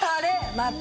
また。